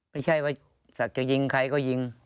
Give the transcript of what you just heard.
ไม่ใช่ว่าศักดิ์จะยิงใครก็ยิง